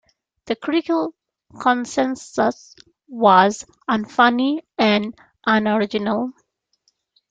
The critical consensus was: Unfunny and unoriginal.